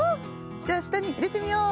じゃあしたにいれてみよう！